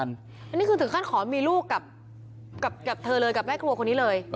อันนี้คือถึงขั้นขอมีลูกกับเธอเลยกับแม่ครัวคนนี้เลย